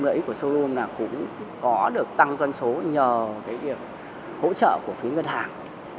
lợi ích của showroom là cũng có được tăng doanh số nhờ cái việc hỗ trợ của phía ngân hàng